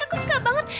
aku suka banget